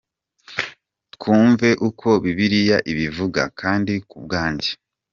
twumve uko bibiliya ibivuga: "Kandi ku bwanjye.